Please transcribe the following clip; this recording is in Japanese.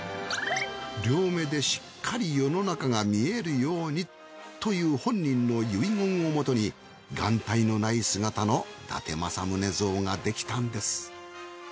両目でしっかり世の中が見えるようにという本人の遺言を元に眼帯のない姿の伊達政宗像ができたんです。